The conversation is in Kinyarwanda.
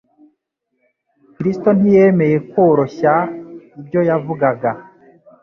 Kristo ntiyemeye kworoshya ibyo yavugaga.